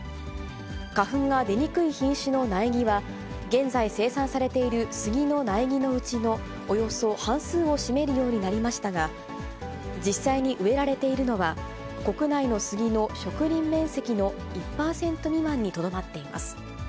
花粉が出にくい品種の苗木は、現在生産されているスギの苗木のうちのおよそ半数を占めるようになりましたが、実際に植えられているのは、国内のスギの植林面積の１％未満にとどまっています。